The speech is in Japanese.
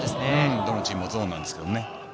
どのチームもゾーンなんですけどね。